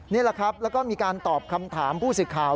นี่แหละครับแล้วก็มีการตอบคำถามผู้สื่อข่าว